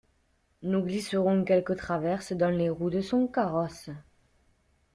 Nous glisserons quelques traverses dans les roues de son carrosse.